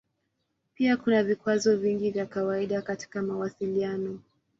Pia kuna vikwazo vingi vya kawaida katika mawasiliano.